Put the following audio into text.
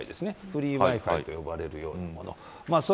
フリーＷｉ‐Ｆｉと呼ばれるようなもの。